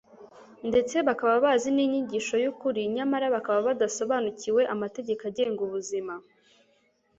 ndetse bakaba bazi n'inyigisho y'ukuri, nyamara bakaba badasobanukiwe amategeko agenga ubuzima